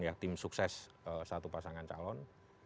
ya tim sukses satu pasangan calon